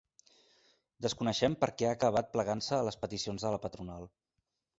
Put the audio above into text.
Desconeixem per què ha acabat plegant-se a les peticions de la patronal.